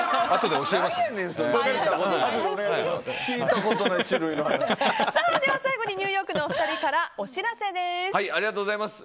では最後にニューヨークのお二人からお知らせです。